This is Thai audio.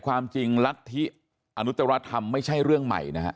ความจริงรัฐธิอนุจรธรรมไม่ใช่เรื่องใหม่นะฮะ